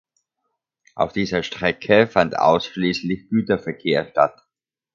Auf dieser Strecke fand ausschließlich Güterverkehr statt.